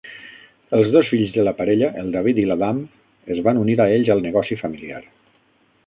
Els dos fills de la parella, el David i l'Adam, es van unir a ells al negoci familiar.